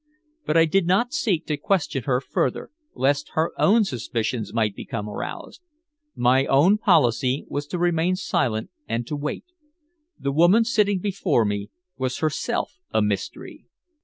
But I did not seek to question her further, lest her own suspicions might become aroused. My own policy was to remain silent and to wait. The woman sitting before me was herself a mystery.